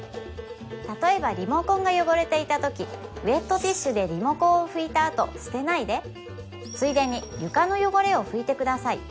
例えばリモコンが汚れていたときウェットティッシュでリモコンを拭いたあと捨てないでついでに床の汚れを拭いてください